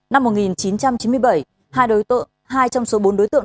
năm một nghìn chín trăm chín mươi bảy hai trong số bốn đối tượng